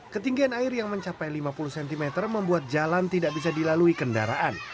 ketinggian air yang mencapai lima puluh cm membuat jalan tidak bisa dilalui kendaraan